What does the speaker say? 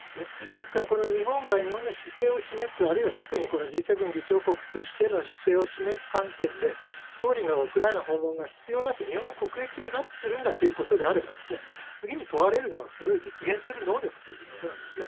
ですから、日本が日本の姿勢を示す、あるいは特にＧ７議長国としての姿勢を示す観点で、総理のウクライナ訪問が必要だと、日本の国益に合致するんだということであれば、次に問われるのは、それを実現する能力ということなんですね。